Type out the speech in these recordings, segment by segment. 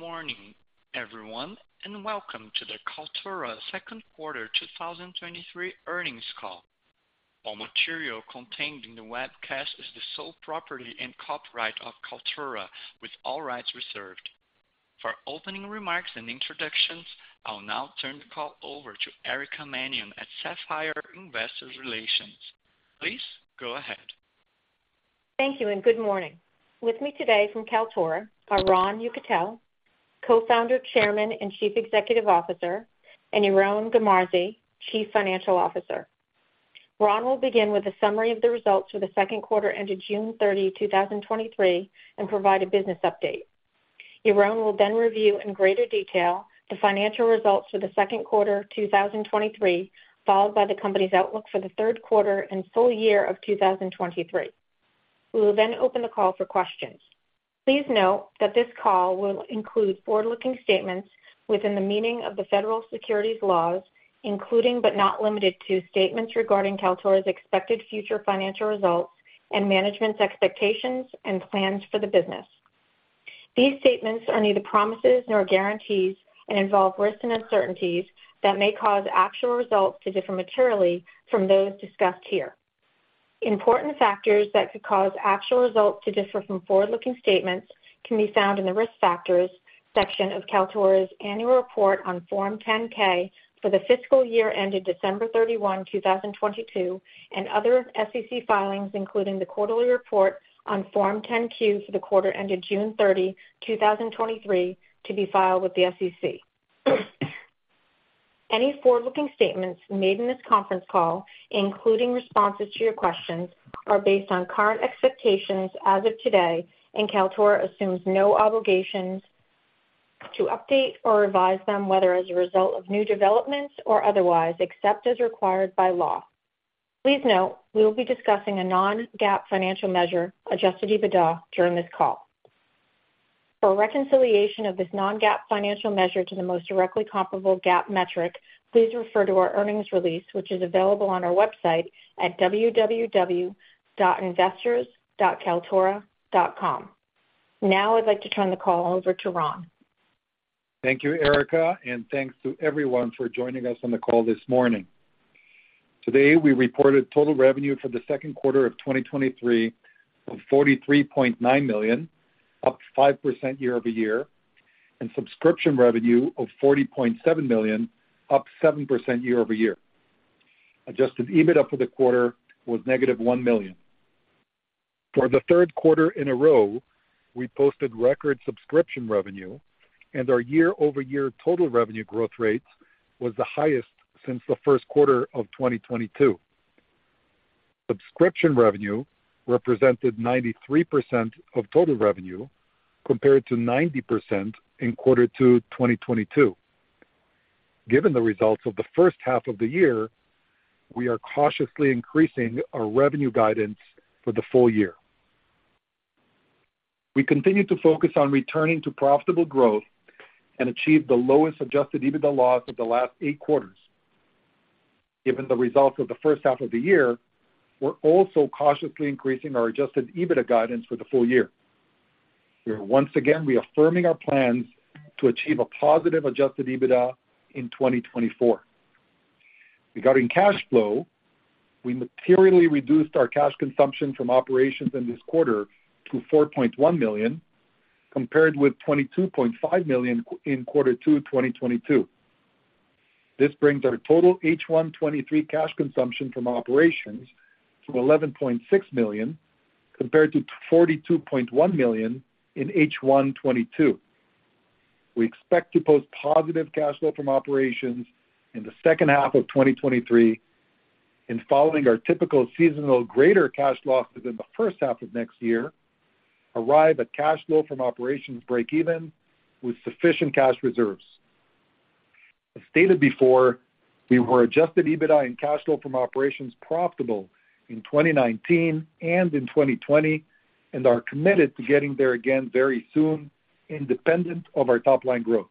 Good morning, everyone, and welcome to the Kaltura second quarter 2023 earnings call. All material contained in the webcast is the sole property and copyright of Kaltura, with all rights reserved. For opening remarks and introductions, I'll now turn the call over to Erica Mannion at Sapphire Investor Relations. Please go ahead. Thank you, and good morning. With me today from Kaltura are Ron Yekutiel, Co-founder, Chairman, and Chief Executive Officer, and Yaron Garmazi, Chief Financial Officer. Ron will begin with a summary of the results for the second quarter ended June 30, 2023, and provide a business update. Yaron will then review in greater detail the financial results for the second quarter 2023, followed by the company's outlook for the third quarter and full year of 2023. We will then open the call for questions. Please note that this call will include forward-looking statements within the meaning of the federal securities laws, including, but not limited to, statements regarding Kaltura's expected future financial results and management's expectations and plans for the business. These statements are neither promises nor guarantees and involve risks and uncertainties that may cause actual results to differ materially from those discussed here. Important factors that could cause actual results to differ from forward-looking statements can be found in the Risk Factors section of Kaltura's annual report on Form 10-K for the fiscal year ended December 31, 2022, other SEC filings, including the quarterly report on Form 10-Q for the quarter ended June 30, 2023, to be filed with the SEC. Any forward-looking statements made in this conference call, including responses to your questions, are based on current expectations as of today, Kaltura assumes no obligations to update or revise them, whether as a result of new developments or otherwise, except as required by law. Please note, we will be discussing a non-GAAP financial measure, Adjusted EBITDA, during this call. For a reconciliation of this non-GAAP financial measure to the most directly comparable GAAP metric, please refer to our earnings release, which is available on our website at www.investors.kaltura.com. I'd like to turn the call over to Ron. Thank you, Erica, thanks to everyone for joining us on the call this morning. Today, we reported total revenue for the second quarter of 2023 of $43.9 million, up 5% YoY, and subscription revenue of $40.7 million, up 7% YoY. Adjusted EBITDA for the quarter was negative $1 million. For the third quarter in a row, we posted record subscription revenue, and our YoY total revenue growth rate was the highest since the first quarter of 2022. Subscription revenue represented 93% of total revenue, compared to 90% in Q2 2022. Given the results of the first half of the year, we are cautiously increasing our revenue guidance for the full year. We continue to focus on returning to profitable growth and achieved the lowest Adjusted EBITDA loss of the last eight quarters. Given the results of the first half of the year, we're also cautiously increasing our Adjusted EBITDA guidance for the full year. We are once again reaffirming our plans to achieve a positive Adjusted EBITDA in 2024. Regarding cash flow, we materially reduced our cash consumption from operations in this quarter to $4.1 million, compared with $22.5 million in quarter two, 2022. This brings our total H1 2023 cash consumption from operations to $11.6 million, compared to $42.1 million in H1 2022. We expect to post positive cash flow from operations in the second half of 2023, and following our typical seasonal greater cash losses in the first half of next year, arrive at cash flow from operations breakeven with sufficient cash reserves. As stated before, we were Adjusted EBITDA and cash flow from operations profitable in 2019 and in 2020, and are committed to getting there again very soon, independent of our top-line growth.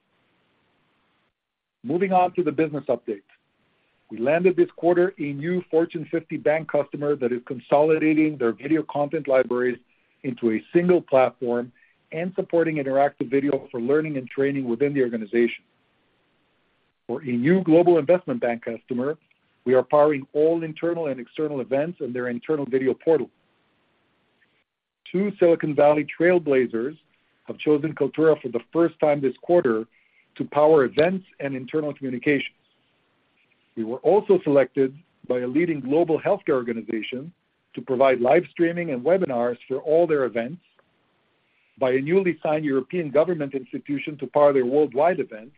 Moving on to the business update. We landed this quarter a new Fortune 50 bank customer that is consolidating their video content libraries into a single platform and supporting interactive video for learning and training within the organization. For a new global investment bank customer, we are powering all internal and external events in their internal video portal. Two Silicon Valley trailblazers have chosen Kaltura for the first time this quarter to power events and internal communications. We were also selected by a leading global healthcare organization to provide live streaming and webinars for all their events, by a newly signed European government institution to power their worldwide events,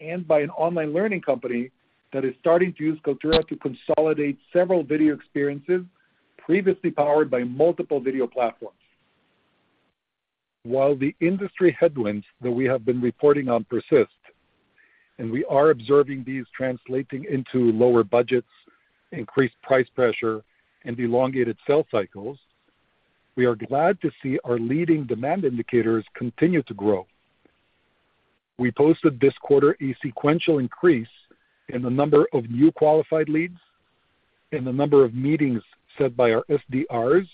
and by an online learning company that is starting to use Kaltura to consolidate several video experiences previously powered by multiple video platforms. While the industry headwinds that we have been reporting on persist, we are observing these translating into lower budgets, increased price pressure, and elongated sales cycles, we are glad to see our leading demand indicators continue to grow. We posted this quarter a sequential increase in the number of new qualified leads, in the number of meetings set by our SDRs,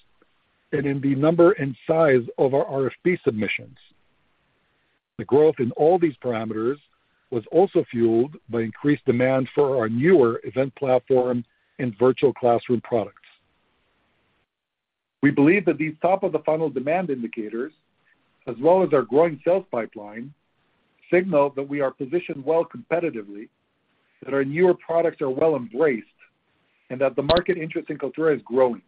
and in the number and size of our RFP submissions. The growth in all these parameters was also fueled by increased demand for our newer Event Platform and virtual classroom products. We believe that these top-of-the-funnel demand indicators, as well as our growing sales pipeline, signal that we are positioned well competitively, that our newer products are well embraced, and that the market interest in Kaltura is growing.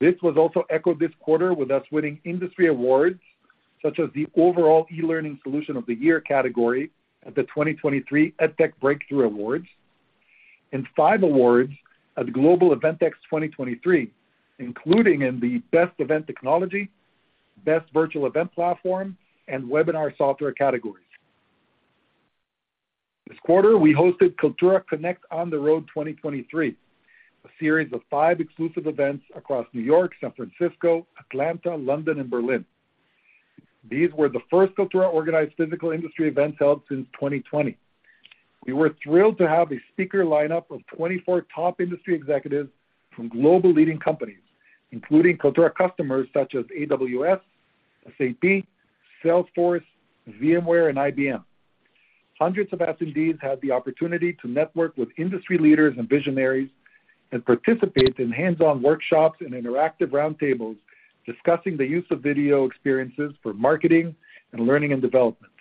This was also echoed this quarter with us winning industry awards, such as the Overall e-Learning Solution of the Year category at the 2023 EdTech Breakthrough Awards, and five awards at Global Eventex 2023, including in the Best Event Technology, Best Virtual Event Platform, and Webinar Software categories. This quarter, we hosted Kaltura Connect On the Road 2023, a series of five exclusive events across New York, San Francisco, Atlanta, London, and Berlin. These were the first Kaltura-organized physical industry events held since 2020. We were thrilled to have a speaker lineup of 24 top industry executives from global leading companies, including Kaltura customers such as AWS, SAP, Salesforce, VMware, and IBM. Hundreds of attendees had the opportunity to network with industry leaders and visionaries and participate in hands-on workshops and interactive roundtables, discussing the use of video experiences for marketing and learning and development.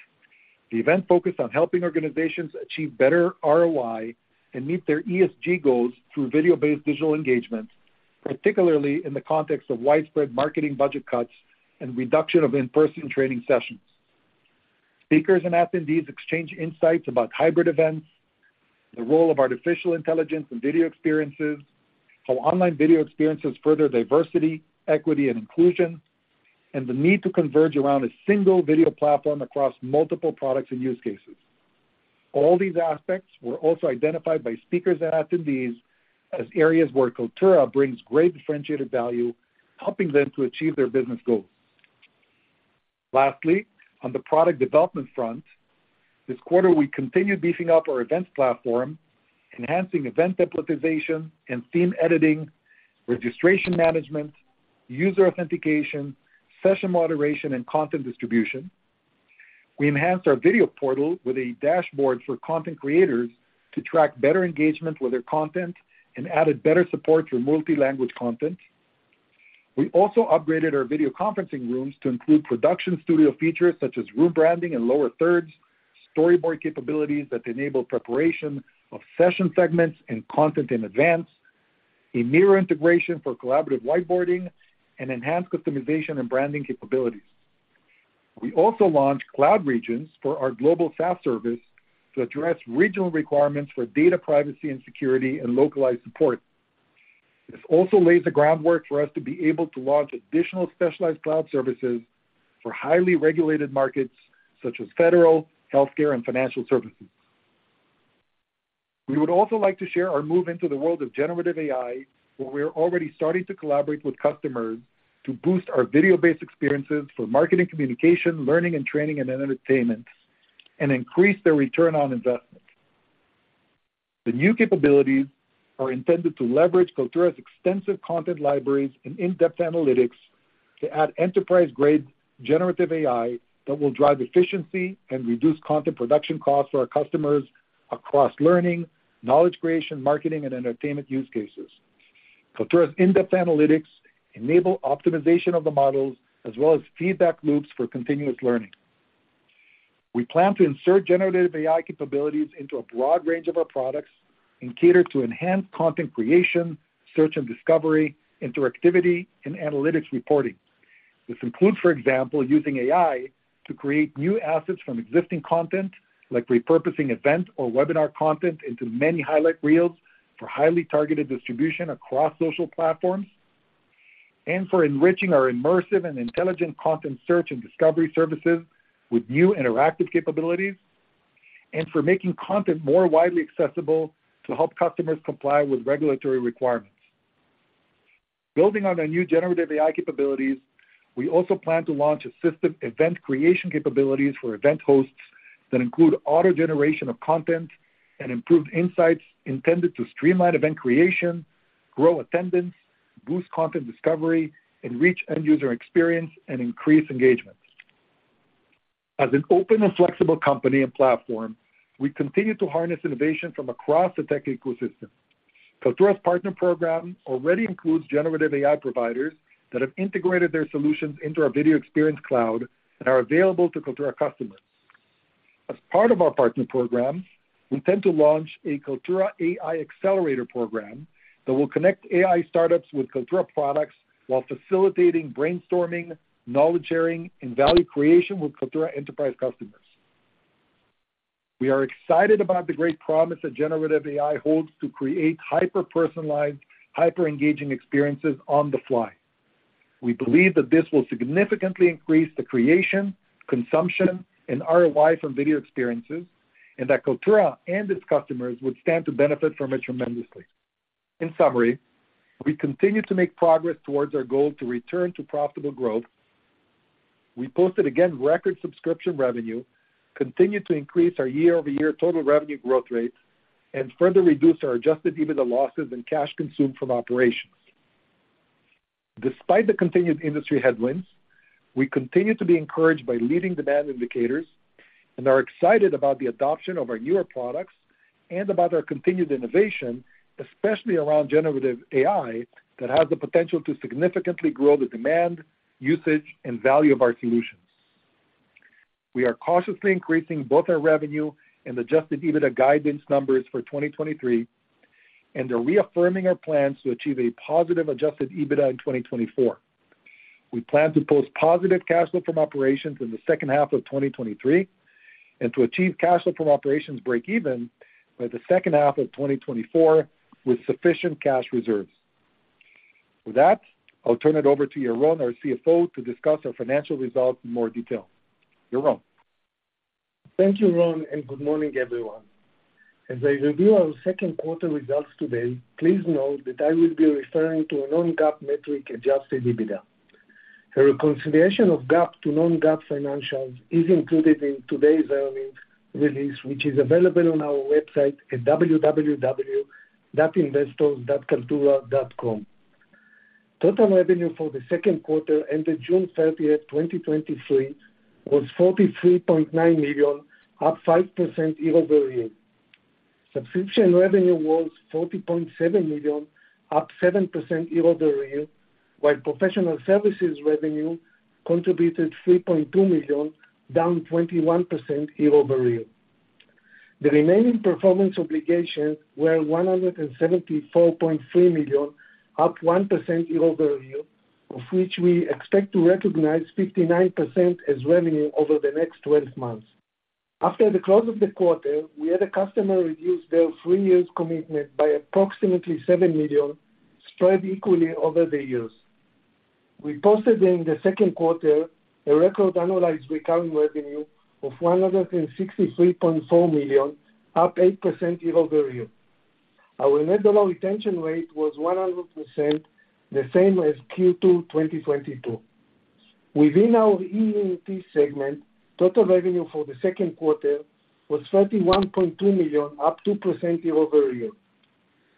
The event focused on helping organizations achieve better ROI and meet their ESG goals through video-based digital engagement, particularly in the context of widespread marketing budget cuts and reduction of in-person training sessions. Speakers and attendees exchanged insights about hybrid events, the role of artificial intelligence and video experiences, how online video experiences further diversity, equity, and inclusion, and the need to converge around a single video platform across multiple products and use cases. All these aspects were also identified by speakers and attendees as areas where Kaltura brings great differentiated value, helping them to achieve their business goals. Lastly, on the product development front, this quarter we continued beefing up our Event Platform, enhancing event templatization and theme editing, registration management, user authentication, session moderation, and content distribution. We enhanced our video portal with a dashboard for content creators to track better engagement with their content and added better support for multi-language content. We also upgraded our video conferencing rooms to include production studio features such as room branding and lower thirds, storyboard capabilities that enable preparation of session segments and content in advance, a Miro integration for collaborative whiteboarding, and enhanced customization and branding capabilities. We also launched cloud regions for our global SaaS service to address regional requirements for data privacy and security and localized support. This also lays the groundwork for us to be able to launch additional specialized cloud services for highly regulated markets such as federal, healthcare, and financial services. We would also like to share our move into the world of generative AI, where we are already starting to collaborate with customers to boost our video-based experiences for marketing, communication, learning and training, and entertainment, and increase their return on investment. The new capabilities are intended to leverage Kaltura's extensive content libraries and in-depth analytics to add enterprise-grade generative AI that will drive efficiency and reduce content production costs for our customers across learning, knowledge creation, marketing, and entertainment use cases. Kaltura's in-depth analytics enable optimization of the models as well as feedback loops for continuous learning. We plan to insert generative AI capabilities into a broad range of our products and cater to enhanced content creation, search and discovery, interactivity, and analytics reporting. This includes, for example, using AI to create new assets from existing content, like repurposing event or webinar content into many highlight reels for highly targeted distribution across social platforms, and for enriching our immersive and intelligent content search and discovery services with new interactive capabilities, and for making content more widely accessible to help customers comply with regulatory requirements. Building on our new generative AI capabilities, we also plan to launch assisted event creation capabilities for event hosts that include auto-generation of content and improved insights intended to streamline event creation, grow attendance, boost content discovery, enrich end-user experience, and increase engagement. As an open and flexible company and platform, we continue to harness innovation from across the tech ecosystem. Kaltura's partner program already includes generative AI providers that have integrated their solutions into our Video Experience Cloud and are available to Kaltura customers. As part of our partner program, we intend to launch a Kaltura AI accelerator program that will connect AI startups with Kaltura products while facilitating brainstorming, knowledge sharing, and value creation with Kaltura enterprise customers. We are excited about the great promise that generative AI holds to create hyper-personalized, hyper-engaging experiences on the fly. We believe that this will significantly increase the creation, consumption, and ROI from video experiences, and that Kaltura and its customers would stand to benefit from it tremendously. In summary, we continue to make progress towards our goal to return to profitable growth. We posted again, record subscription revenue, continued to increase our YoY total revenue growth rate, and further reduced our Adjusted EBITDA losses and cash consumed from operations. Despite the continued industry headwinds, we continue to be encouraged by leading demand indicators and are excited about the adoption of our newer products and about our continued innovation, especially around generative AI, that has the potential to significantly grow the demand, usage, and value of our solutions. We are cautiously increasing both our revenue and Adjusted EBITDA guidance numbers for 2023, and are reaffirming our plans to achieve a positive Adjusted EBITDA in 2024. We plan to post positive cash flow from operations in H2 2023, and to achieve cash flow from operations break even by H2 2024, with sufficient cash reserves. With that, I'll turn it over to Yaron, our CFO, to discuss our financial results in more detail. Yaron? Thank you, Ron. Good morning, everyone. As I review our second quarter results today, please note that I will be referring to a non-GAAP metric, Adjusted EBITDA. A reconciliation of GAAP to non-GAAP financials is included in today's earnings release, which is available on our website at www.investors.kaltura.com. Total revenue for the second quarter ended June 30, 2023, was $43.9 million, up 5% YoY. Subscription revenue was $40.7 million, up YoY, while professional services revenue contributed $3.2 million, down 21% YoY. The remaining performance obligations were $174.3 million, up 1% YoY, of which we expect to recognize 59% as revenue over the next 12 months. After the close of the quarter, we had a customer reduce their three years commitment by approximately $7 million, spread equally over the years. We posted during the second quarter, a record Annualized Recurring Revenue of $163.4 million, up 8% YoY. Our net dollar retention rate was 100%, the same as Q2, 2022. Within our EE&T segment, total revenue for the second quarter was $31.2 million, up 2% YoY.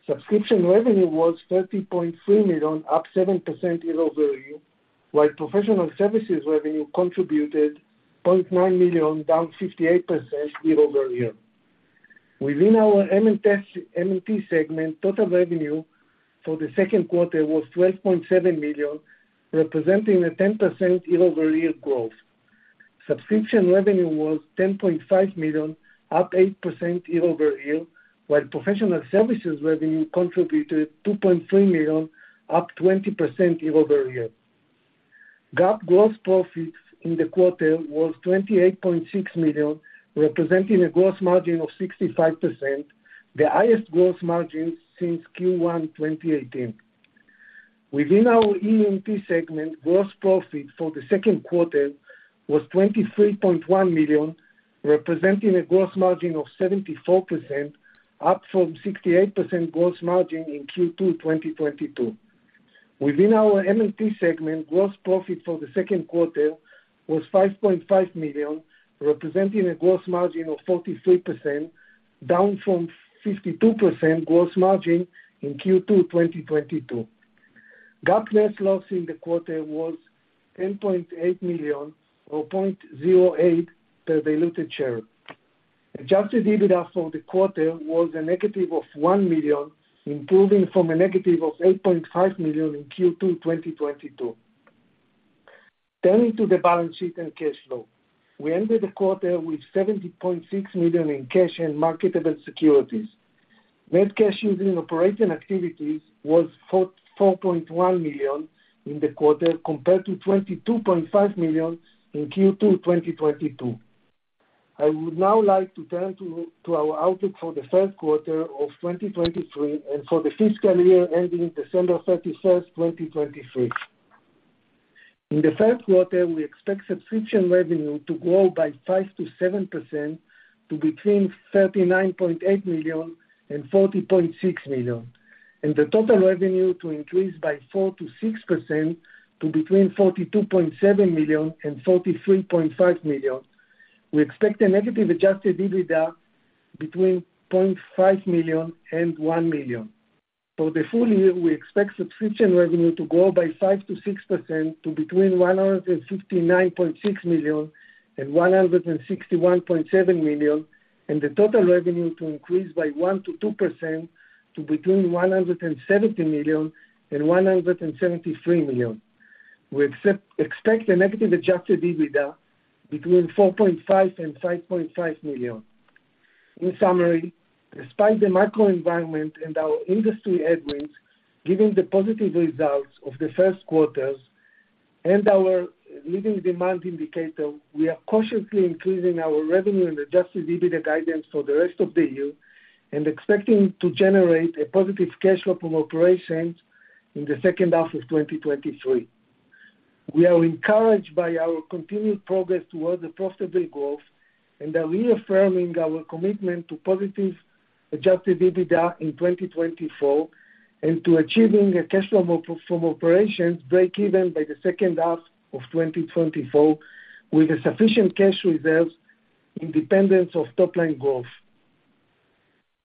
Subscription revenue was $30.3 million, up 7% YoY, while professional services revenue contributed $0.9 million, down 58% YoY. Within our M&T segment, total revenue for the second quarter was $12.7 million, representing a 10% YoY growth. Subscription revenue was $10.5 million, up 8% YoY, while professional services revenue contributed $2.3 million, up 20% YoY. GAAP gross profits in the quarter was $28.6 million, representing a gross margin of 65%, the highest gross margin since Q1 2018. Within our EE&T segment, gross profit for the second quarter was $23.1 million, representing a gross margin of 74%, up from 68% gross margin in Q2 2022. Within our M&T segment, gross profit for the second quarter was $5.5 million, representing a gross margin of 43%, down from 52% gross margin in Q2 2022. GAAP net loss in the quarter was $10.8 million, or $0.08 per diluted share. Adjusted EBITDA for the quarter was a negative $1 million, improving from a negative $8.5 million in Q2 2022. Turning to the balance sheet and cash flow. We ended the quarter with $70.6 million in cash and marketable securities. Net cash using operating activities was $4.1 million in the quarter, compared to $22.5 million in Q2 2022. I would now like to turn to our outlook for the first quarter of 2023 and for the fiscal year ending December 31st, 2023. In the first quarter, we expect subscription revenue to grow by 5%-7% to between $39.8 million and $40.6 million, and the total revenue to increase by 4%-6% to between $42.7 million and $43.5 million. We expect a negative Adjusted EBITDA between $0.5 million and $1 million. For the full year, we expect subscription revenue to grow by 5%-6% to between $159.6 million and $161.7 million, the total revenue to increase by 1%-2% to between $170 million and $173 million. We expect a negative Adjusted EBITDA between $4.5 million and $5.5 million. In summary, despite the macro environment and our industry headwinds, given the positive results of the first quarters and our leading demand indicator, we are cautiously increasing our revenue and Adjusted EBITDA guidance for the rest of the year, expecting to generate a positive cash flow from operations in the second half of 2023. We are encouraged by our continued progress towards the profitable growth and are reaffirming our commitment to positive Adjusted EBITDA in 2024, and to achieving a cash flow from operations breakeven by the second half of 2024, with a sufficient cash reserves, independence of top line growth.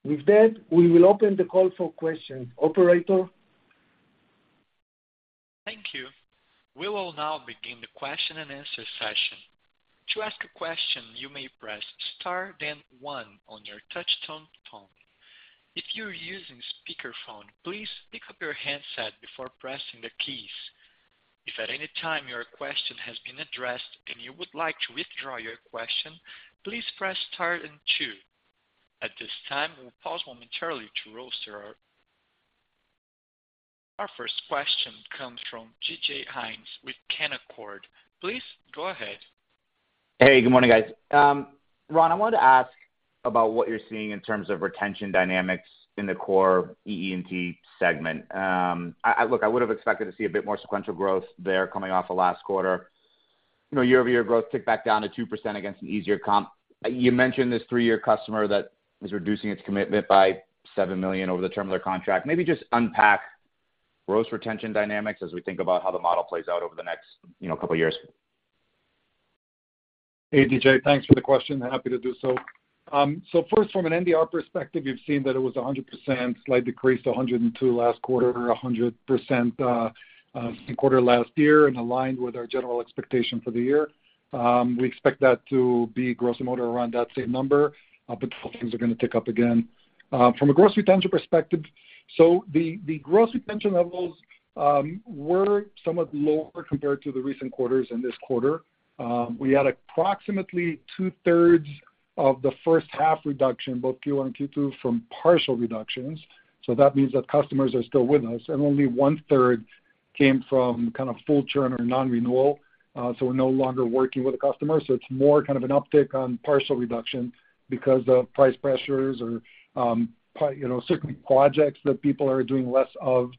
With that, we will open the call for questions. Operator? Thank you. We will now begin the question-and-answer session. To ask a question, you may press star, then one on your touch tone. If you're using speakerphone, please pick up your handset before pressing the keys. If at any time your question has been addressed and you would like to withdraw your question, please press star and two. At this time, we'll pause momentarily. Our first question comes from DJ Hynes with Canaccord. Please go ahead. Hey, good morning, guys. Ron, I wanted to ask about what you're seeing in terms of retention dynamics in the core EE&T segment. I, I, look, I would have expected to see a bit more sequential growth there coming off of last quarter. You know, YoY growth ticked back down to 2% against an easier comp. You mentioned this three-year customer that is reducing its commitment by $7 million over the term of their contract. Maybe just unpack gross retention dynamics as we think about how the model plays out over the next, you know, couple of years. Hey, DJ, thanks for the question. Happy to do so. First, from an NDR perspective, you've seen that it was 100%, slight decrease to 102 last quarter, 100% quarter last year, and aligned with our general expectation for the year. We expect that to be gross margin around that same number, things are going to tick up again. From a gross retention perspective, the gross retention levels were somewhat lower compared to the recent quarters in this quarter. We had approximately two-thirds of the first half reduction, both Q1 and Q2, from partial reductions. That means that customers are still with us, and only one-third came from kind of full churn or non-renewal, we're no longer working with a customer. It's more kind of an uptick on partial reduction because of price pressures or, you know, certain projects that people are doing less of,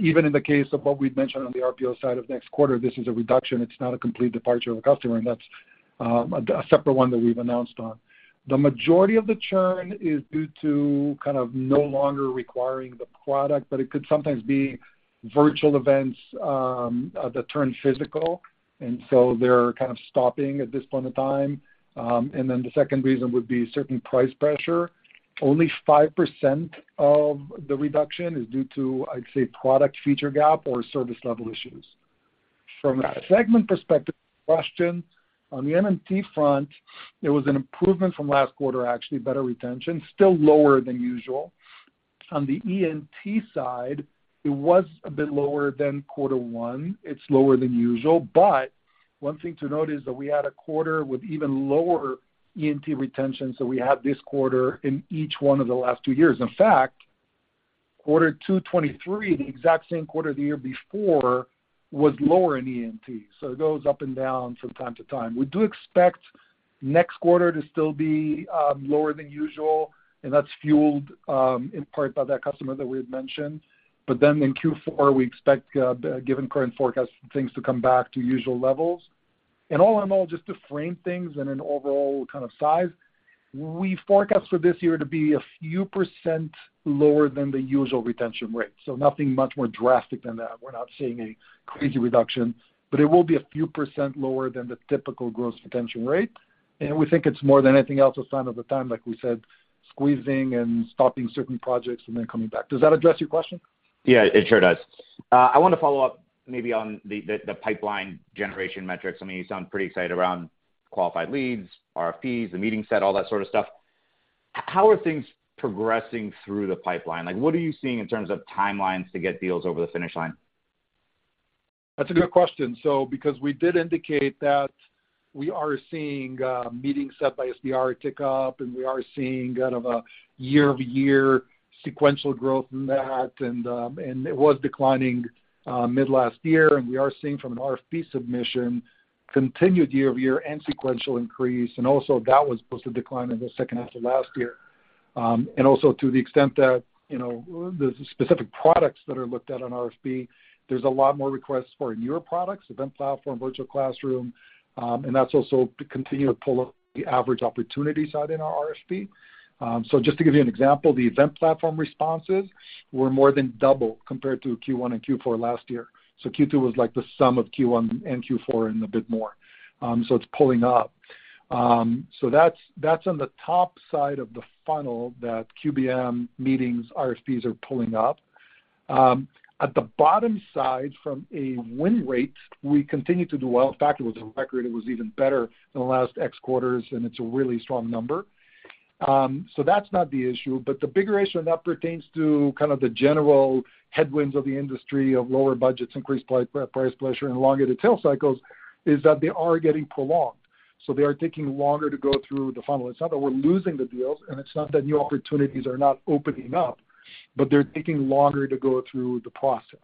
even in the case of what we've mentioned on the RPO side of next quarter, this is a reduction. It's not a complete departure of a customer, and that's a separate one that we've announced on. The majority of the churn is due to kind of no longer requiring the product, but it could sometimes be virtual events that turn physical, and so they're kind of stopping at this point in time. The second reason would be certain price pressure. Only 5% of the reduction is due to, I'd say, product feature gap or service level issues. From a segment perspective question, on the M&T front, there was an improvement from last quarter, actually, better retention, still lower than usual. On the ENT side, it was a bit lower than quarter one. It's lower than usual, one thing to note is that we had a quarter with even lower ENT retention, so we have this quarter in each one of the last two years. In fact, quarter two 2023, the exact same quarter the year before, was lower in ENT. It goes up and down from time to time. We do expect next quarter to still be lower than usual, that's fueled in part by that customer that we had mentioned. In Q4, we expect, given current forecast, things to come back to usual levels. All in all, just to frame things in an overall kind of size, we forecast for this year to be a few % lower than the usual retention rate, so nothing much more drastic than that. We're not seeing a crazy reduction, but it will be a few % lower than the typical gross retention rate. We think it's more than anything else, a sign of the time, like we said, squeezing and stopping certain projects and then coming back. Does that address your question? Yeah, it sure does. I want to follow up maybe on the, the, the pipeline generation metrics. I mean, you sound pretty excited around qualified leads, RFPs, the meeting set, all that sort of stuff. How are things progressing through the pipeline? Like, what are you seeing in terms of timelines to get deals over the finish line? That's a good question. Because we did indicate that we are seeing meetings set by SDR tick up, and we are seeing kind of a YoY sequential growth in that, and it was declining mid-last year. We are seeing from an RFP submission, continued YoY and sequential increase, and also that was supposed to decline in the second half of last year. And also to the extent that, you know, the specific products that are looked at on RFP, there's a lot more requests for newer products, Event Platform, virtual classroom, and that's also to continue to pull up the average opportunity side in our RFP. Just to give you an example, the Event Platform responses were more than double compared to Q1 and Q4 last year. Q2 was like the sum of Q1 and Q4 and a bit more. It's pulling up. That's on the top side of the funnel that QBM meetings, RFPs are pulling up. At the bottom side, from a win rate, we continue to do well. In fact, it was a record. It was even better than the last X quarters, and it's a really strong number. That's not the issue, but the bigger issue that pertains to kind of the general headwinds of the industry, of lower budgets, increased price pressure, and longer detail cycles, is that they are getting prolonged. They are taking longer to go through the funnel. It's not that we're losing the deals, and it's not that new opportunities are not opening up, but they're taking longer to go through the process.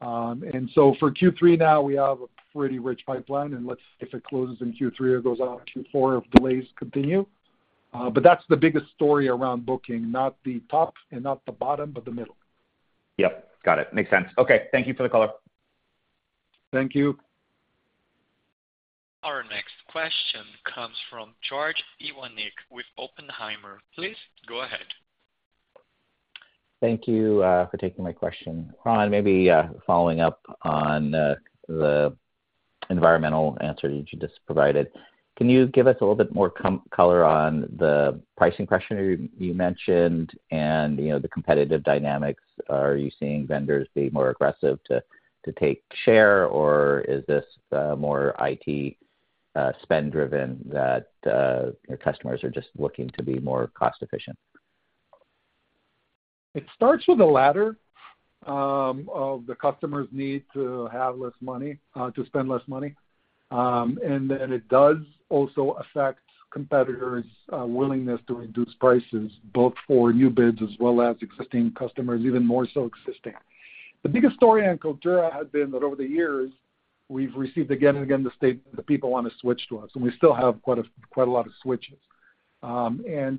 So for Q3 now, we have a pretty rich pipeline, and let's-- if it closes in Q3, it goes out Q4 if delays continue. That's the biggest story around booking, not the top and not the bottom, but the middle. Yep, got it. Makes sense. Okay. Thank you for the color. Thank you. Our next question comes from George Iwanyc with Oppenheimer. Please go ahead. Thank you for taking my question. Ron, maybe following up on the environmental answer that you just provided, can you give us a little bit more color on the pricing pressure you, you mentioned and, you know, the competitive dynamics? Are you seeing vendors be more aggressive to, to take share, or is this more IT spend driven, that your customers are just looking to be more cost efficient? It starts with the latter, of the customers' need to have less money, to spend less money. It does also affect competitors' willingness to reduce prices, both for new bids as well as existing customers, even more so existing. The biggest story on Kaltura has been that over the years, we've received again and again, the statement that people want to switch to us, and we still have quite a, quite a lot of switches.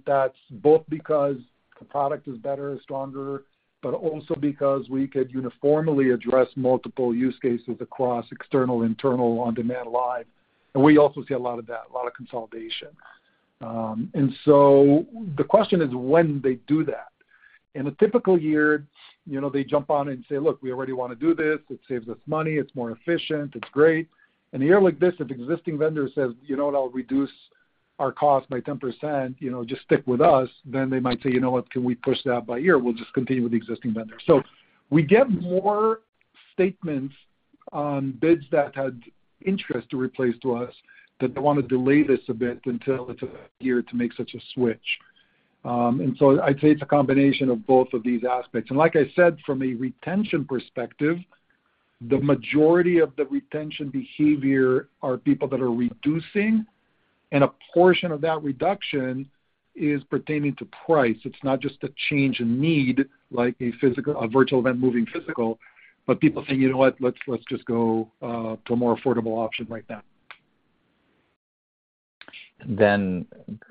That's both because the product is better, stronger, but also because we could uniformly address multiple use cases across external, internal, on-demand, live, and we also see a lot of that, a lot of consolidation. The question is when they do that. In a typical year, you know, they jump on and say, "Look, we already want to do this. It saves us money, it's more efficient, it's great." In a year like this, if the existing vendor says, "You know what? I'll reduce our cost by 10%, you know, just stick with us," then they might say, "You know what? Can we push that by a year? We'll just continue with the existing vendor." We get more statements on bids that had interest to replace to us, that they want to delay this a bit until it's a year to make such a switch. So I'd say it's a combination of both of these aspects. Like I said, from a retention perspective, the majority of the retention behavior are people that are reducing, and a portion of that reduction is pertaining to price. It's not just a change in need, like a physical- a virtual event moving physical, but people saying, "You know what? Let's, let's just go, to a more affordable option right now.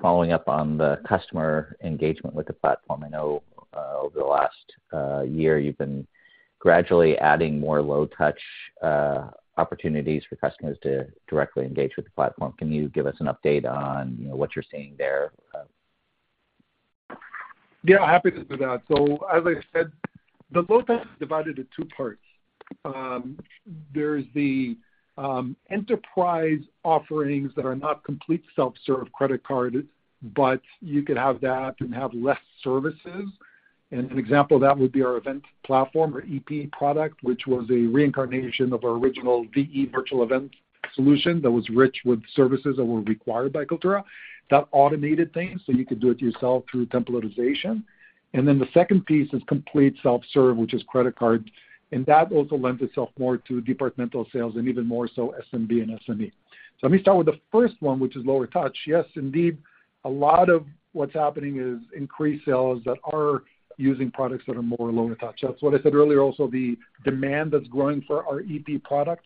Following up on the customer engagement with the platform, I know, over the last year, you've been gradually adding more low touch opportunities for customers to directly engage with the platform. Can you give us an update on, you know, what you're seeing there? Yeah, happy to do that. As I said, the low touch is divided in two parts. There's the enterprise offerings that are not complete self-serve credit card, but you could have that and have less services. An example of that would be our Event Platform, or EP product, which was a reincarnation of our original VE, virtual event solution that was rich with services that were required by Kaltura. That automated things, so you could do it yourself through templatization. Then the second piece is complete self-serve, which is credit card, and that also lends itself more to departmental sales and even more so, SMB and SME. Let me start with the first one, which is lower touch. Yes, indeed, a lot of what's happening is increased sales that are using products that are more lower touch. That's what I said earlier. The demand that's growing for our EP Product,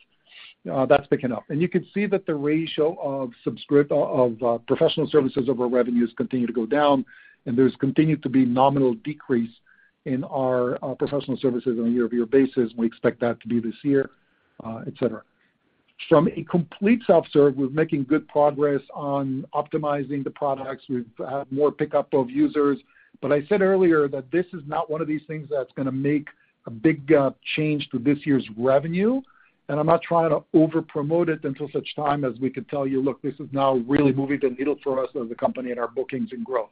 that's picking up. You can see that the ratio of subscript... of professional services over revenues continue to go down, and there's continued to be nominal decrease in our professional services on a YoY basis. We expect that to be this year, et cetera. From a complete self-serve, we're making good progress on optimizing the products. We've had more pickup of users, but I said earlier that this is not one of these things that's gonna make a big change to this year's revenue, and I'm not trying to over promote it until such time as we can tell you, "Look, this is now really moving the needle for us as a company in our bookings and growth."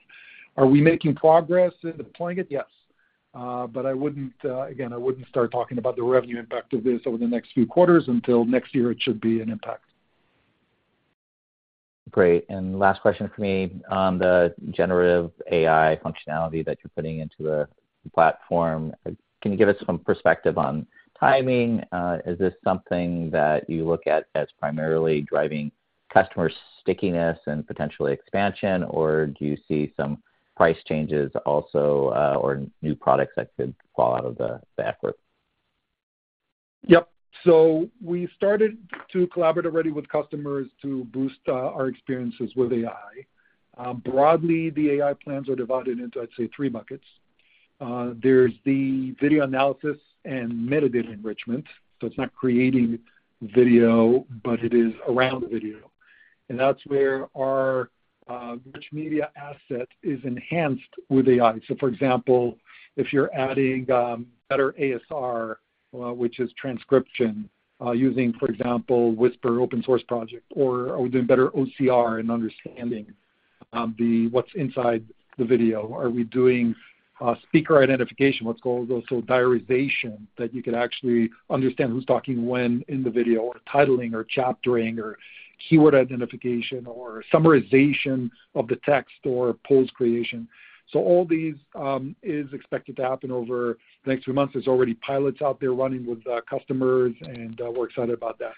Are we making progress in deploying it? Yes. I wouldn't, again, I wouldn't start talking about the revenue impact of this over the next few quarters. Until next year, it should be an impact. Great. Last question for me. On the generative AI functionality that you're putting into a platform, can you give us some perspective on timing? Is this something that you look at as primarily driving customer stickiness and potentially expansion, or do you see some price changes also, or new products that could fall out of the, the effort? Yep. We started to collaborate already with customers to boost our experiences with AI. Broadly, the AI plans are divided into, I'd say, three buckets. There's the video analysis and metadata enrichment. It's not creating video, but it is around video. That's where our rich media asset is enhanced with AI. For example, if you're adding better ASR, which is transcription, using, for example, Whisper open-source project, or are we doing better OCR and understanding the what's inside the video? Are we doing speaker identification, what's called also diarization, that you can actually understand who's talking when in the video, or titling or chaptering or keyword identification or summarization of the text or polls creation. All these is expected to happen over the next few months. There's already pilots out there running with customers, and we're excited about that.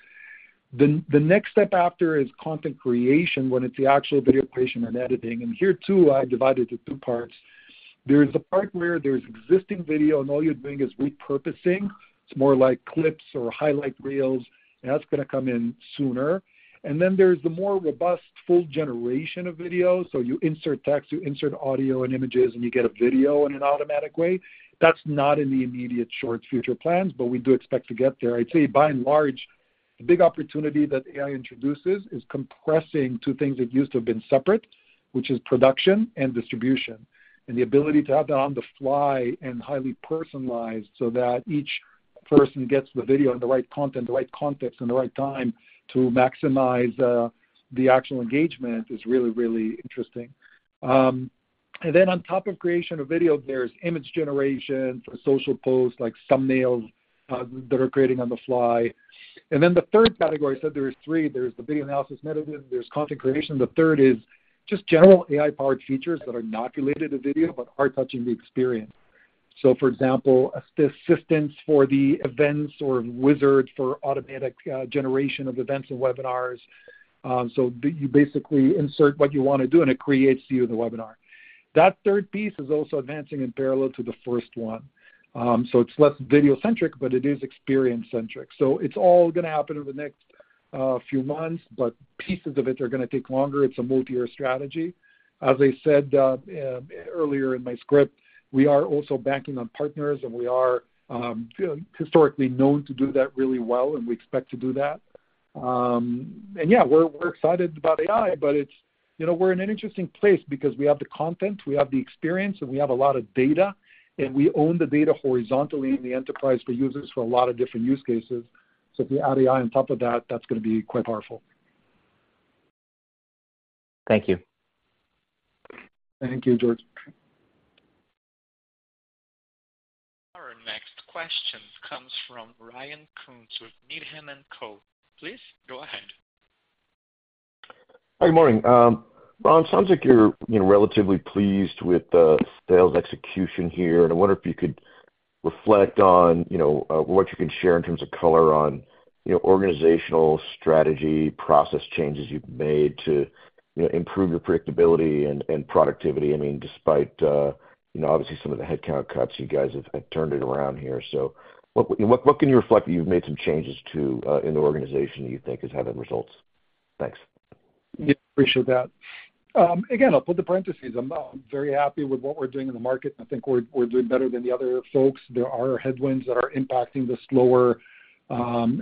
The next step after is content creation, when it's the actual video creation and editing. Here, too, I divided it in two parts. There's a part where there's existing video, and all you're doing is repurposing. It's more like clips or highlight reels, and that's gonna come in sooner. Then there's the more robust full generation of video. You insert text, you insert audio and images, and you get a video in an automatic way. That's not in the immediate short future plans, but we do expect to get there. I'd say, by and large, the big opportunity that AI introduces is compressing two things that used to have been separate, which is production and distribution, and the ability to have that on the fly and highly personalized so that each person gets the video and the right content, the right context, and the right time to maximize the actual engagement is really, really interesting. Then on top of creation of video, there's image generation for social posts, like thumbnails, that are creating on the fly. The third category, I said there was three. There's the video analysis metadata, there's content creation. The third is just general AI-powered features that are not related to video, but are touching the experience. So for example, assistance for the events or wizards for automatic generation of events and webinars. You basically insert what you wanna do, and it creates you the webinar. That third piece is also advancing in parallel to the first one. It's less video-centric, but it is experience-centric. It's all gonna happen over the next few months, but pieces of it are gonna take longer. It's a multi-year strategy. As I said earlier in my script, we are also backing on partners, and we are historically known to do that really well, and we expect to do that. Yeah, we're, we're excited about AI, but it's, you know, we're in an interesting place because we have the content, we have the experience, and we have a lot of data, and we own the data horizontally in the enterprise for users for a lot of different use cases. If we add AI on top of that, that's gonna be quite powerful. Thank you. Thank you, George. Our next question comes from Ryan Koontz with Needham & Co. Please go ahead. Hi, good morning. Ron, sounds like you're, you know, relatively pleased with the sales execution here. I wonder if you could reflect on, you know, what you can share in terms of color on, you know, organizational strategy, process changes you've made to, you know, improve your predictability and, and productivity. I mean, despite, you know, obviously some of the headcount cuts, you guys have, have turned it around here. What, what, what can you reflect that you've made some changes to, in the organization that you think is having results? Thanks. Yeah, appreciate that. Again, I'll put the parentheses. I'm very happy with what we're doing in the market. I think we're doing better than the other folks. There are headwinds that are impacting the slower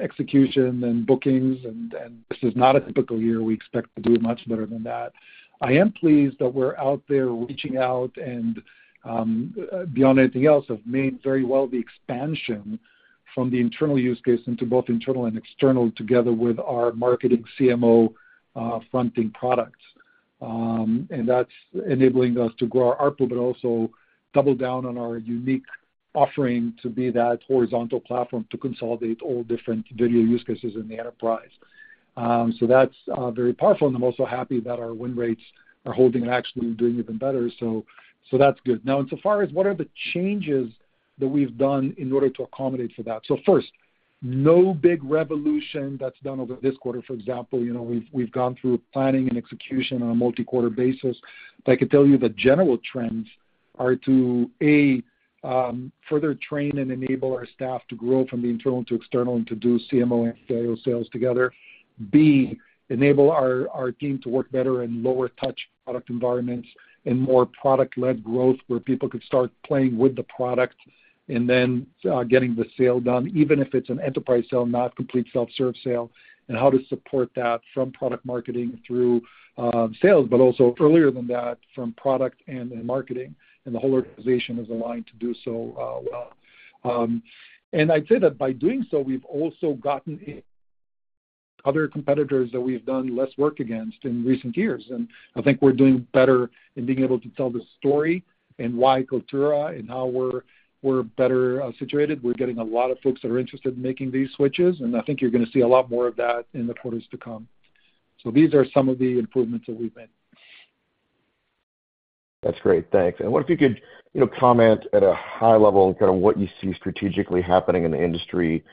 execution than bookings, and this is not a typical year. We expect to do much better than that. I am pleased that we're out there reaching out, and beyond anything else, have made very well the expansion from the internal use case into both internal and external, together with our marketing CMO, fronting products. That's enabling us to grow our ARPU, but also double down on our unique offering to be that horizontal platform to consolidate all different video use cases in the enterprise. That's very powerful, and I'm also happy that our win rates are holding and actually doing even better. That's good. Now, insofar as what are the changes that we've done in order to accommodate for that? First, no big revolution that's done over this quarter, for example, you know, we've, we've gone through planning and execution on a multi-quarter basis. I can tell you the general trends are to, A, further train and enable our staff to grow from the internal to external and to do CMO and sales together. B, enable our, our team to work better in lower touch product environments and more product-led growth, where people could start playing with the product and then getting the sale done, even if it's an enterprise sale, not complete self-serve sale, and how to support that from product marketing through sales, but also earlier than that, from product and marketing, and the whole organization is aligned to do so well. I'd say that by doing so, we've also gotten other competitors that we've done less work against in recent years. I think we're doing better in being able to tell the story and why Kaltura and how we're, we're better situated. We're getting a lot of folks that are interested in making these switches, and I think you're gonna see a lot more of that in the quarters to come. These are some of the improvements that we've made. That's great. Thanks. What if you could, you know, comment at a high level, kind of what you see strategically happening in the industry?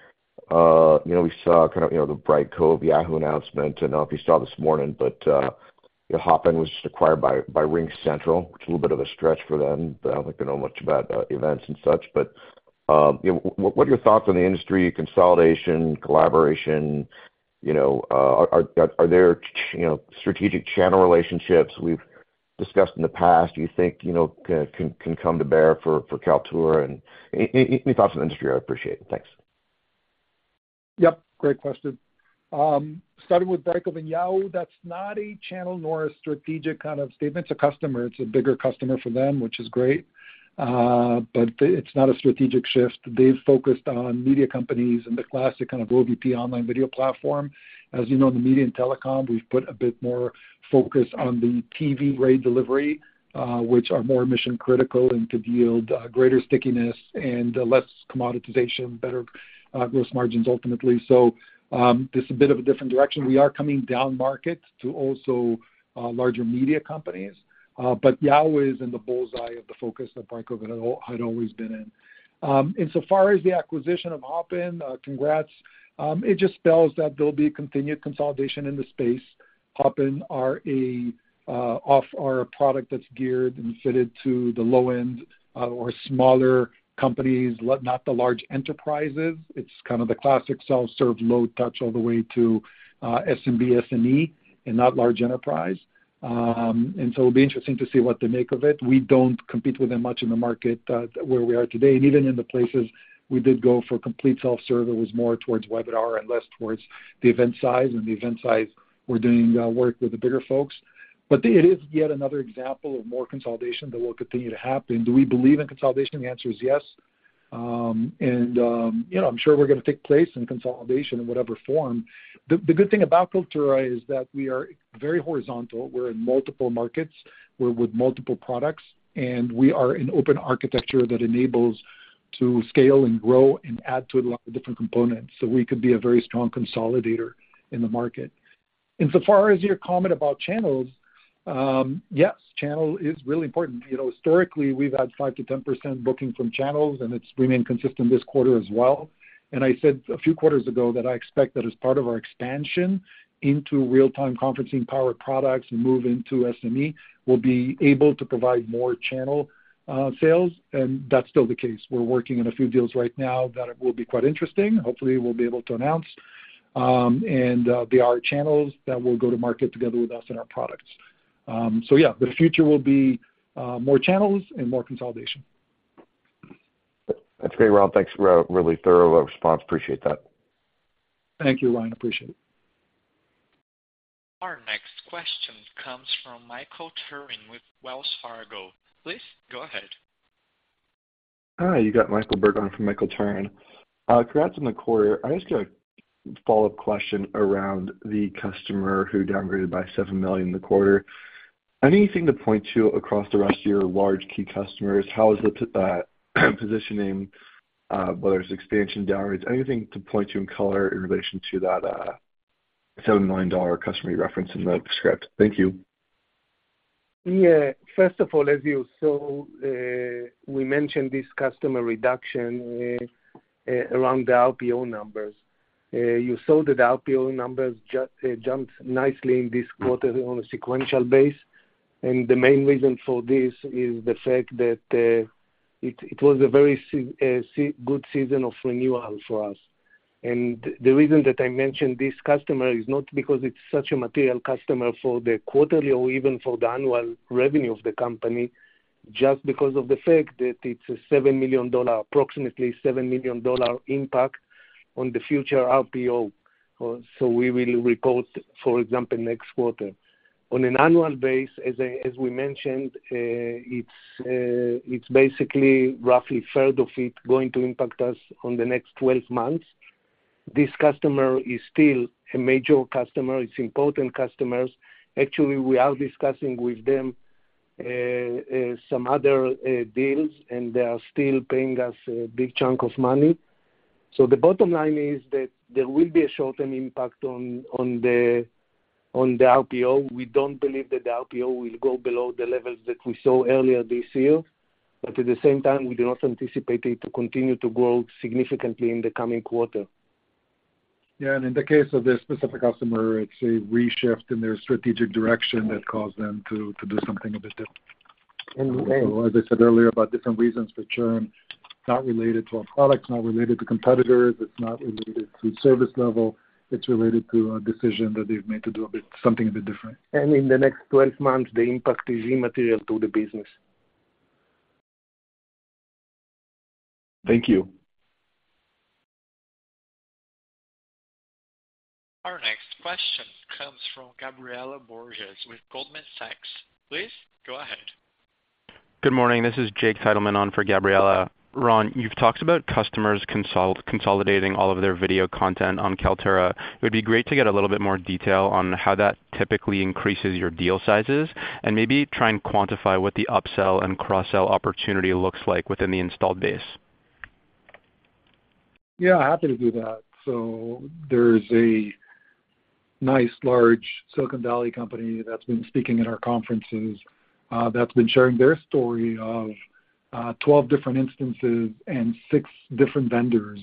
You know, we saw kind of, you know, the Brightcove, Yahoo announcement. I don't know if you saw this morning, but, you know, Hopin was just acquired by, by RingCentral, which is a little bit of a stretch for them, but I don't think they know much about, events and such. You know, what, what are your thoughts on the industry consolidation, collaboration? You know, are, are there, you know, strategic channel relationships we've discussed in the past, you think, you know, can, can come to bear for, for Kaltura? Any, any, any thoughts on the industry are appreciated. Thanks. Yep, great question. Starting with Brightcove and Yahoo, that's not a channel nor a strategic kind of statement. It's a customer. It's a bigger customer for them, which is great, but it's not a strategic shift. They've focused on media companies and the classic kind of OVP, online video platform. As you know, in the media and telecom, we've put a bit more focus on the TV grade delivery, which are more mission-critical and could yield greater stickiness and less commoditization, better gross margins ultimately. This is a bit of a different direction. We are coming down market to also, larger media companies, but Yahoo is in the bull's eye of the focus that Barco had always been in. So far as the acquisition of Hopin, congrats. It just spells that there'll be continued consolidation in the space. Hopin are a off our product that's geared and fitted to the low end, or smaller companies, not the large enterprises. It's kind of the classic self-serve, low touch all the way to SMB, SME and not large enterprise. So it'll be interesting to see what they make of it. We don't compete with them much in the market, where we are today, and even in the places we did go for complete self-serve, it was more towards webinar and less towards the event size. The event size, we're doing work with the bigger folks. It is yet another example of more consolidation that will continue to happen. Do we believe in consolidation? The answer is yes. I'm sure we're going to take place in consolidation in whatever form. The good thing about Kaltura is that we are very horizontal. We're in multiple markets, we're with multiple products, and we are an open architecture that enables to scale and grow and add to a lot of different components. We could be a very strong consolidator in the market. So far as your comment about channels, yes, channel is really important. Historically, we've had 5%-10% booking from channels, and it's remained consistent this quarter as well. I said a few quarters ago that I expect that as part of our expansion into real-time conferencing power products and move into SME, we'll be able to provide more channel sales, and that's still the case. We're working on a few deals right now that will be quite interesting. Hopefully, we'll be able to announce, and they are channels that will go to market together with us and our products. Yeah, the future will be, more channels and more consolidation. That's great, Ron. Thanks for a really thorough response. Appreciate that. Thank you, Ryan, appreciate it. Our next question comes from Michael Turrin with Wells Fargo. Please go ahead. Hi, you got Michael Bergmann from Michael Turrin. Congrats on the quarter. I just got a follow-up question around the customer who downgraded by $7 million in the quarter. Anything to point to across the rest of your large key customers, how is the positioning, whether it's expansion, downwards, anything to point to in color in relation to that $7 million customer you referenced in the script? Thank you. Yeah, first of all, as you saw, we mentioned this customer reduction around the RPO numbers. You saw that the RPO numbers jumped nicely in this quarter on a sequential base. The main reason for this is the fact that it was a very good season of renewal for us. The reason that I mentioned this customer is not because it's such a material customer for the quarterly or even for the annual revenue of the company, just because of the fact that it's a $7 million, approximately $7 million impact on the future RPO. We will report, for example, next quarter. On an annual base, as I, as we mentioned, it's basically roughly a third of it going to impact us on the next 12 months. This customer is still a major customer, it's important customers. Actually, we are discussing with them, some other, deals, and they are still paying us a big chunk of money. The bottom line is that there will be a short-term impact on, on the, on the RPO. We don't believe that the RPO will go below the levels that we saw earlier this year, but at the same time, we do not anticipate it to continue to grow significantly in the coming quarter. Yeah, in the case of this specific customer, it's a reshift in their strategic direction that caused them to do something a bit different. And then- As I said earlier about different reasons for churn, not related to our products, not related to competitors, it's not related to service level. It's related to a decision that they've made to do something a bit different. In the next 12 months, the impact is immaterial to the business. Thank you. Our next question comes from Gabriela Borges with Goldman Sachs. Please go ahead. Good morning. This is Jake Titleman on for Gabriela. Ron, you've talked about customers consolidating all of their video content on Kaltura. It would be great to get a little bit more detail on how that typically increases your deal sizes, and maybe try and quantify what the upsell and cross-sell opportunity looks like within the installed base? Yeah, happy to do that. There's a nice large Silicon Valley company that's been speaking at our conferences, that's been sharing their story of 12 different instances and six different vendors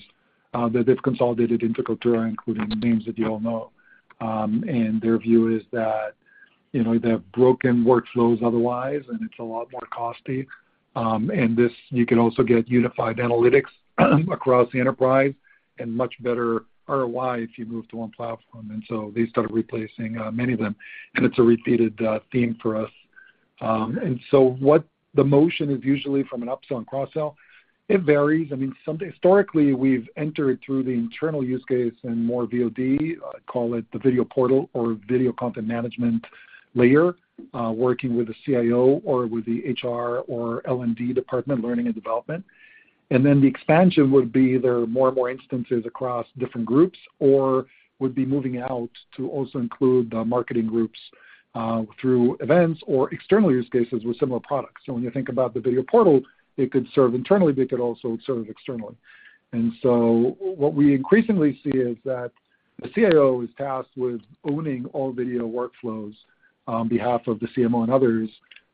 that they've consolidated into Kaltura, including the names that you all know. Their view is that, you know, they have broken workflows otherwise, and it's a lot more costly. This, you can also get unified analytics across the enterprise and much better ROI if you move to one platform. They started replacing many of them, and it's a repeated theme for us. What the motion is usually from an upsell and cross-sell, it varies. I mean, some historically, we've entered through the internal use case and more VOD, call it the video portal or video content management layer, working with the CIO or with the HR or L&D department, learning and development. Then the expansion would be either more and more instances across different groups or would be moving out to also include the marketing groups, through events or external use cases with similar products. When you think about the video portal, it could serve internally, but it could also serve externally. What we increasingly see is that the CIO is tasked with owning all video workflows on behalf of the CMO and others.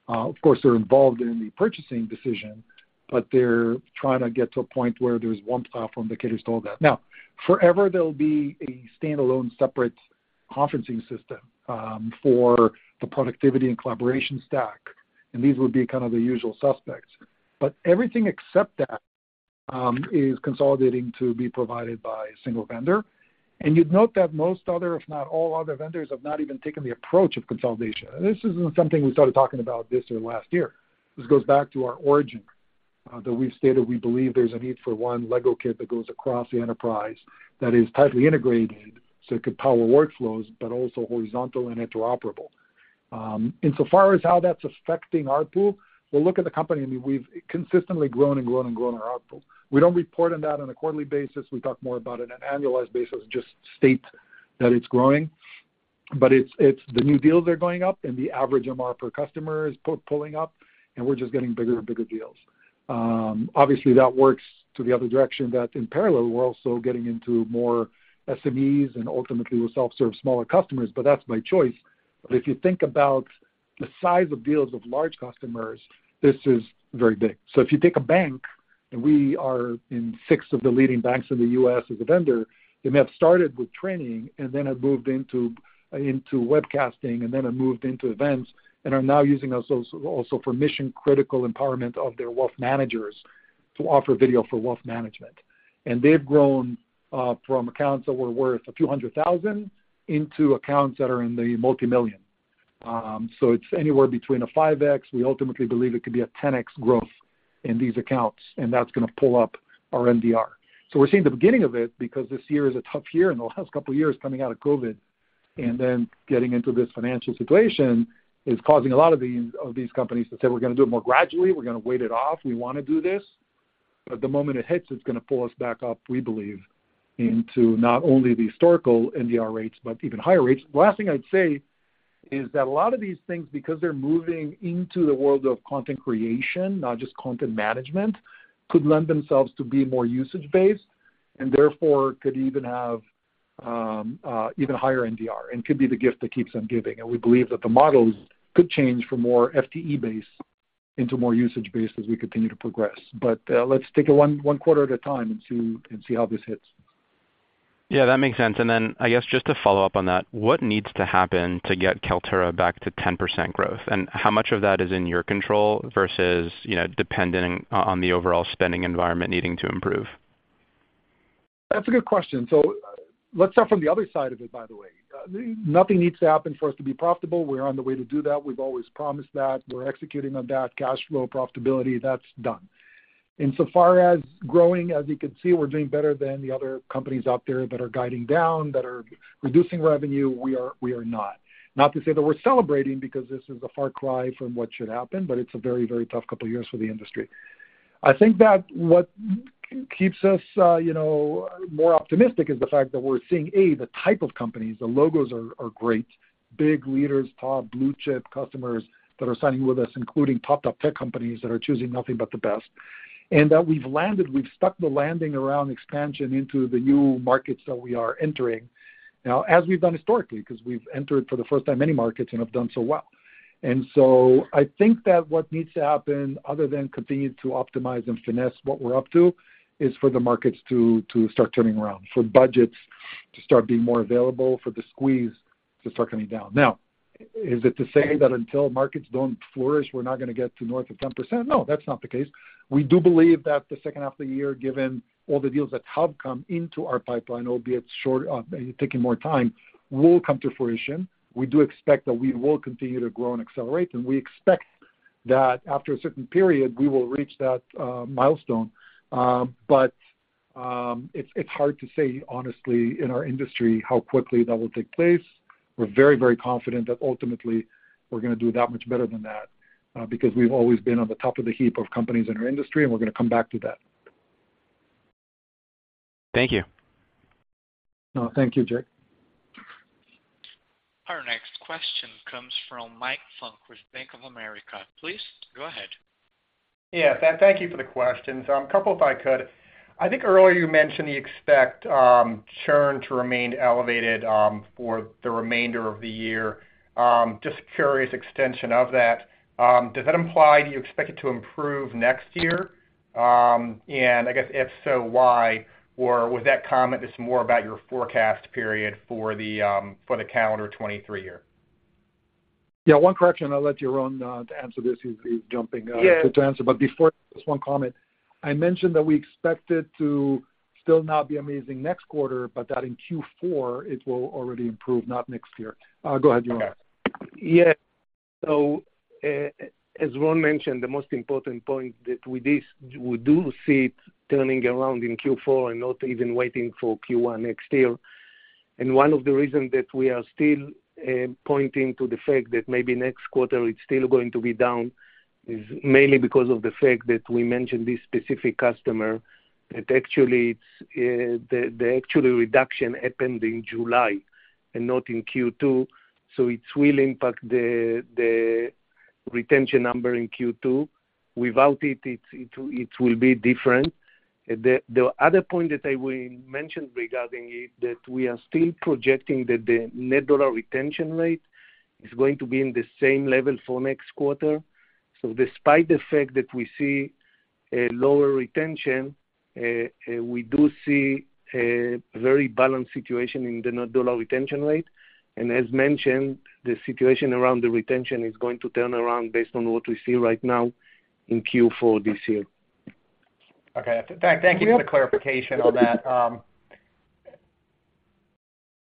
Of course, they're involved in the purchasing decision, but they're trying to get to a point where there's one platform that caters to all that. Forever, there'll be a standalone, separate conferencing system for the productivity and collaboration stack, and these would be kind of the usual suspects. Everything except that is consolidating to be provided by a single vendor. You'd note that most other, if not all other vendors, have not even taken the approach of consolidation. This isn't something we started talking about this or last year. This goes back to our origin that we've stated we believe there's a need for one Lego kit that goes across the enterprise, that is tightly integrated, so it could power workflows, but also horizontal and interoperable. Insofar as how that's affecting ARPU, well, look at the company. I mean, we've consistently grown and grown and grown our ARPU. We don't report on that on a quarterly basis, we talk more about it on an annualized basis, just state that it's growing. It's, it's the new deals are going up and the average MRR per customer is pulling up, and we're just getting bigger and bigger deals. Obviously, that works to the other direction, that in parallel, we're also getting into more SMEs and ultimately with self-serve, smaller customers, but that's by choice. If you think about the size of deals of large customers, this is very big. If you take a bank, and we are in six of the leading banks in the U.S. as a vendor, they may have started with training and then have moved into, into webcasting, and then have moved into events, and are now using us also, also for mission-critical empowerment of their wealth managers to offer video for wealth management. They've grown from accounts that were worth a few $100,000 into accounts that are in the $multi-million. It's anywhere between a 5x. We ultimately believe it could be a 10x growth in these accounts, and that's going to pull up our NDR. We're seeing the beginning of it, because this year is a tough year, and the last couple of years coming out of COVID. Getting into this financial situation is causing a lot of these companies to say, "We're going to do it more gradually. We're going to wait it off. We want to do this." The moment it hits, it's going to pull us back up, we believe, into not only the historical NDR rates, but even higher rates. The last thing I'd say is that a lot of these things, because they're moving into the world of content creation, not just content management, could lend themselves to be more usage-based and therefore could even have even higher NDR and could be the gift that keeps on giving. We believe that the models could change from more FTE-based into more usage-based as we continue to progress. Let's take it one, one quarter at a time and see, and see how this hits. Yeah, that makes sense. Then, I guess, just to follow up on that, what needs to happen to get Kaltura back to 10% growth? How much of that is in your control versus, you know, dependent on the overall spending environment needing to improve? That's a good question. Let's start from the other side of it, by the way. Nothing needs to happen for us to be profitable. We're on the way to do that. We've always promised that. We're executing on that. Cash flow profitability, that's done. Insofar as growing, as you can see, we're doing better than the other companies out there that are guiding down, that are reducing revenue, we are, we are not. Not to say that we're celebrating because this is a far cry from what should happen, but it's a very, very tough couple of years for the industry. I think that what keeps us more optimistic is the fact that we're seeing, A, the type of companies, the logos are, are great. Big leaders, top blue-chip customers that are signing with us, including top, top tech companies that are choosing nothing but the best. That we've landed, we've stuck the landing around expansion into the new markets that we are entering. Now, as we've done historically, because we've entered for the first time many markets and have done so well. I think that what needs to happen, other than continue to optimize and finesse what we're up to, is for the markets to, to start turning around, for budgets to start being more available, for the squeeze to start coming down. Now, is it to say that until markets don't flourish, we're not going to get to north of 10%? No, that's not the case. We do believe that the second half of the year, given all the deals that have come into our pipeline, albeit short, taking more time, will come to fruition. We do expect that we will continue to grow and accelerate, and we expect that after a certain period, we will reach that milestone. It's hard to say, honestly, in our industry, how quickly that will take place. We're very, very confident that ultimately we're going to do that much better than that, because we've always been on the top of the heap of companies in our industry, and we're going to come back to that. Thank you. No, thank you, Jake. Our next question comes from Michael Funk with Bank of America. Please, go ahead. Yeah, thank you for the questions. A couple, if I could. I think earlier you mentioned you expect churn to remain elevated for the remainder of the year. Just curious extension of that, does that imply do you expect it to improve next year? I guess if so, why? Or was that comment just more about your forecast period for the calendar 2023 year? Yeah, one correction, I'll let Yaron to answer this. He's jumping. Yeah... to answer, but before, just one comment. I mentioned that we expect it to still not be amazing next quarter, but that in Q4 it will already improve, not next year. Go ahead, Yaron. Yeah. As Ron mentioned, the most important point that with this, we do see it turning around in Q4 and not even waiting for Q1 next year. One of the reasons that we are still pointing to the fact that maybe next quarter it's still going to be down, is mainly because of the fact that we mentioned this specific customer, that actually, it's the actual reduction happened in July and not in Q2. It will impact the retention number in Q2. Without it, it will be different. The other point that I will mention regarding it, that we are still projecting that the net dollar retention rate is going to be in the same level for next quarter. Despite the fact that we see a lower retention, we do see a very balanced situation in the net dollar retention rate. As mentioned, the situation around the retention is going to turn around based on what we see right now in Q4 this year. Okay. Thank you for the clarification on that.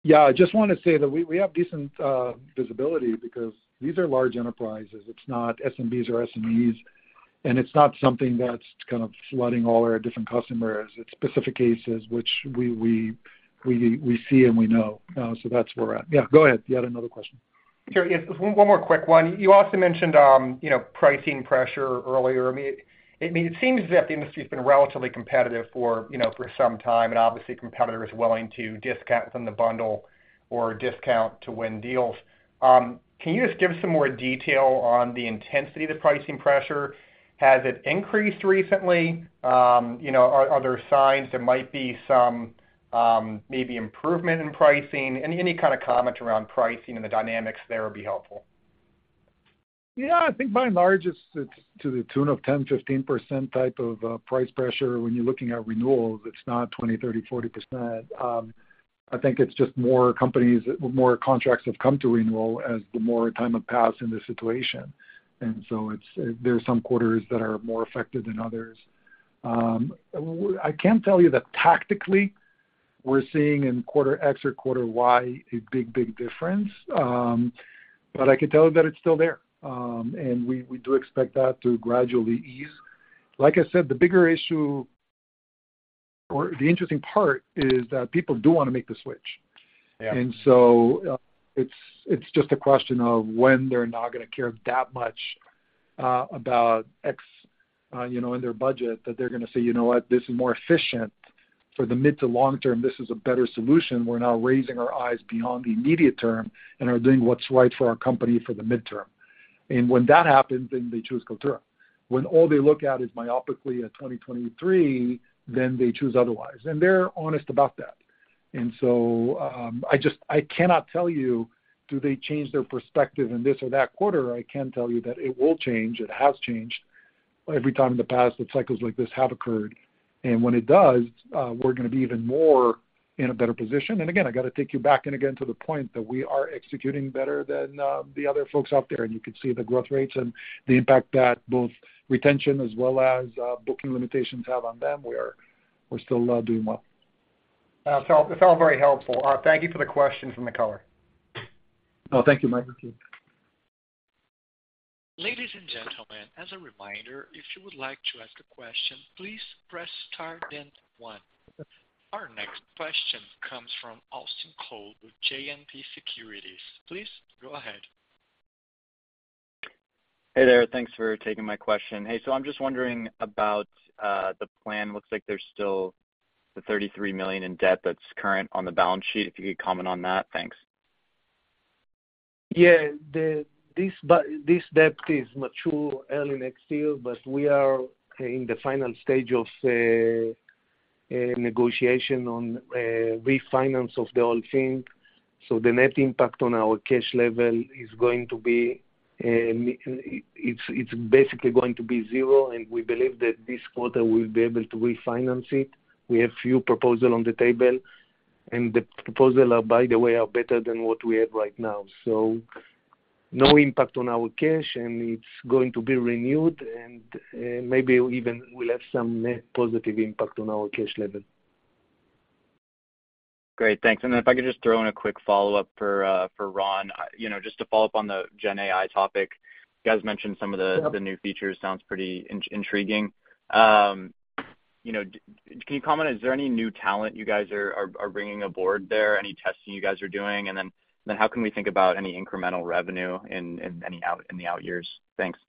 Yeah, I just want to say that we, we have decent visibility because these are large enterprises. It's not SMBs or SMEs, and it's not something that's kind of flooding all our different customers. It's specific cases which we, we, we, we see and we know. That's where we're at. Yeah, go ahead. You had another question. Sure, yes. One more quick one. You also mentioned, you know, pricing pressure earlier. I mean, it, it seems that the industry has been relatively competitive for, you know, for some time, and obviously, competitor is willing to discount from the bundle or discount to win deals. Can you just give some more detail on the intensity of the pricing pressure? Has it increased recently? You know, are, are there signs there might be some, maybe improvement in pricing? Any, any kind of comment around pricing and the dynamics there would be helpful. Yeah, I think by and large, it's, it's to the tune of 10%-15% type of price pressure when you're looking at renewals, it's not 20%, 30%, 40%. I think it's just more companies, more contracts have come to renewal as the more time have passed in this situation. So it's, there are some quarters that are more affected than others. I can't tell you that tactically, we're seeing in quarter X or quarter Y a big, big difference, but I can tell you that it's still there. We, we do expect that to gradually ease. Like I said, the bigger issue, or the interesting part is that people do want to make the switch. Yeah. It's, it's just a question of when they're not going to care that much, about X, you know, in their budget, that they're going to say, "You know what? This is more efficient. For the mid to long term, this is a better solution. We're now raising our eyes beyond the immediate term and are doing what's right for our company for the midterm." When that happens, then they choose Kaltura. When all they look at is myopically at 2023, then they choose otherwise, and they're honest about that. I cannot tell you, do they change their perspective in this or that quarter? I can tell you that it will change. It has changed every time in the past that cycles like this have occurred. When it does, we're going to be even more in a better position. Again, I got to take you back in again to the point that we are executing better than the other folks out there, and you can see the growth rates and the impact that both retention as well as booking limitations have on them. We're still doing well. It's all very helpful. Thank you for the question and the color. Oh, thank you, Michael. Ladies and gentlemen, as a reminder, if you would like to ask a question, please press star then one. Our next question comes from Austin Cole with JMP Securities. Please go ahead. Hey there. Thanks for taking my question. Hey, I'm just wondering about the plan. Looks like there's still the $33 million in debt that's current on the balance sheet. If you could comment on that. Thanks. Yeah, the, this, this debt is mature early next year. We are in the final stage of negotiation on refinance of the whole thing. The net impact on our cash level is going to be, it's, it's basically going to be zero, and we believe that this quarter we'll be able to refinance it. We have few proposal on the table. The proposal, by the way, are better than what we have right now. No impact on our cash. It's going to be renewed, and maybe even we'll have some net positive impact on our cash level. Great, thanks. Then if I could just throw in a quick follow-up for, for Ron. You know, just to follow up on the gen AI topic, you guys mentioned some of the. Yep. the new features. Sounds pretty intriguing. You know, can you comment, is there any new talent you guys are bringing aboard there? Any testing you guys are doing? How can we think about any incremental revenue in the out years? Thanks.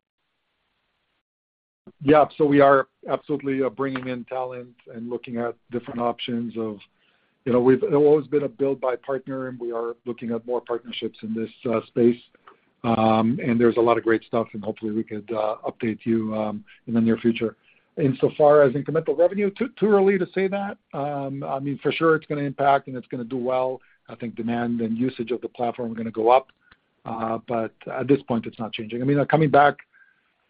Yeah, we are absolutely bringing in talent and looking at different options of... You know, we've always been a build by partner, and we are looking at more partnerships in this space. There's a lot of great stuff, and hopefully, we could update you in the near future. Insofar as incremental revenue, too, too early to say that. I mean, for sure it's going to impact and it's going to do well. I think demand and usage of the platform are going to go up. At this point, it's not changing. I mean, coming back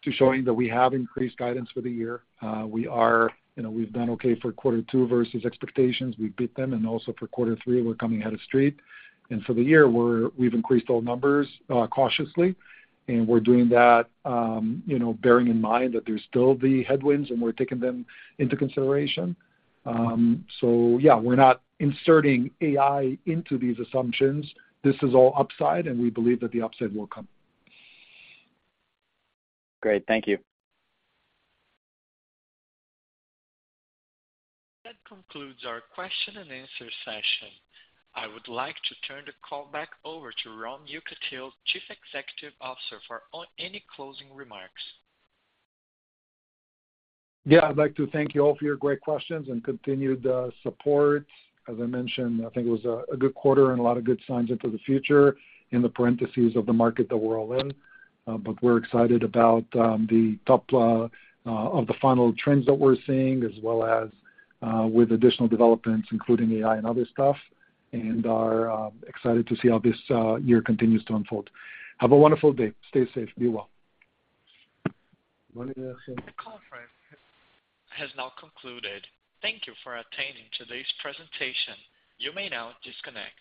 to showing that we have increased guidance for the year, we are, you know, we've done okay for quarter two versus expectations. We've beat them, and also for quarter three, we're coming out of street. For the year, we've increased all numbers, cautiously, and we're doing that, you know, bearing in mind that there's still the headwinds, and we're taking them into consideration. Yeah, we're not inserting AI into these assumptions. This is all upside, and we believe that the upside will come. Great. Thank you. That concludes our question and answer session. I would like to turn the call back over to Ron Yekutiel, Chief Executive Officer, for any closing remarks. Yeah, I'd like to thank you all for your great questions and continued support. As I mentioned, I think it was a good quarter and a lot of good signs into the future in the parentheses of the market that we're all in. But we're excited about the top of the funnel trends that we're seeing, as well as with additional developments, including AI and other stuff, and are excited to see how this year continues to unfold. Have a wonderful day. Stay safe, be well. Want to say- The conference has now concluded. Thank you for attending today's presentation. You may now disconnect.